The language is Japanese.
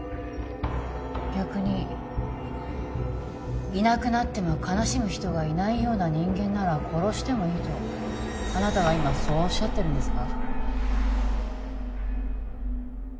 逆にいなくなっても悲しむ人がいないような人間なら殺してもいいとあなたは今そうおっしゃってるんですか？